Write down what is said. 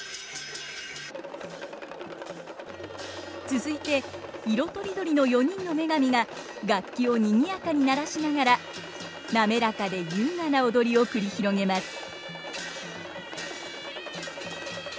続いて色とりどりの４人の女神が楽器をにぎやかに鳴らしながら滑らかで優雅な踊りを繰り広げます。